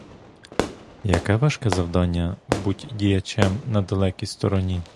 Яке важке завдання буть діячем на далекій стороні.